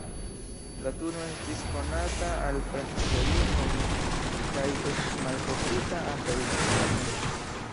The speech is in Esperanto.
Latuno estis konata al prahistoria homo, kaj estis malkovrita antaŭ zinko mem.